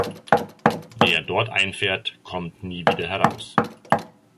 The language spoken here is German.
Wer dort einfährt, kommt nie wieder heraus.